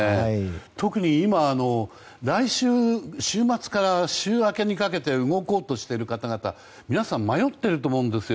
特に今、来週週末か週明けにかけて動こうとしている方々皆さん迷っていると思うんです。